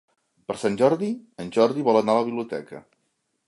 Per Sant Jordi en Jordi vol anar a la biblioteca.